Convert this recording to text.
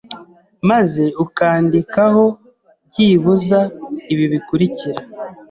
maze ukandikaho byibuza ibi bikurikira